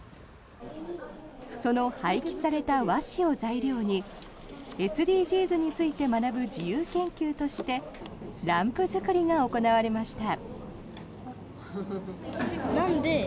その廃棄された和紙を材料にＳＤＧｓについて学ぶ自由研究としてランプ作りが行われました。